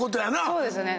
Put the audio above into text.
そうですね。